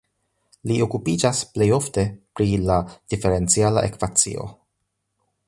Li okupiĝas plej ofte pri la diferenciala ekvacio.